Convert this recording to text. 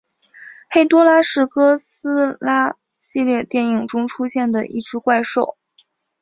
黑多拉是哥斯拉系列电影中出现的一只怪兽。